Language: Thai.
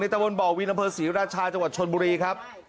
ตะวนบ่อวินอำเภอศรีราชาจังหวัดชนบุรีครับ